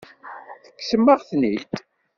Tekksem-aɣ-ten-id.